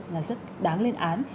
là rất đáng lên án